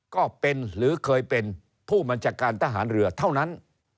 ก็เป็นหรือเคยเป็นผู้บัญชาการทหารเรือเท่านั้น